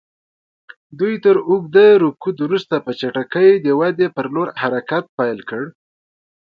دوی تر اوږده رکود وروسته په چټکۍ د ودې پر لور حرکت پیل کړ.